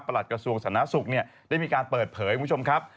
ประหลัดกระทรวงศาลน้าศุกร์ได้มีการเปิดเผยคุณผู้ชมครับ